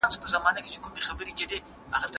زه له سهاره کتابونه وړم،